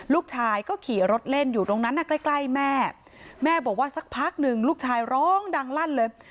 ลูกชายก็ขี่รถเล่นอยู่ตรงนั้นน่ะใกล้ใกล้แม่แม่บอกว่าสักพักหนึ่งลูกชายร้องดังลั่นเลย